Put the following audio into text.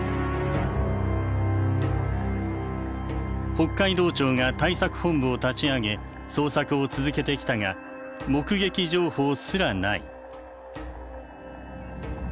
北海道庁が対策本部を立ち上げ捜索を続けてきたが目撃情報すらない。